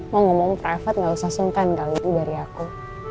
mau ngomong private gak usah sungkan kali itu dari aku